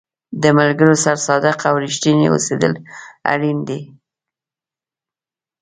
د ملګرو سره صادق او رښتینی اوسېدل اړین دي.